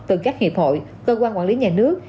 từ các hiệp hội cơ quan quản lý nhà nước